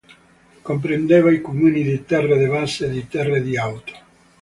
Comprendeva i comuni di Terre-de-Bas e di Terre-de-Haut.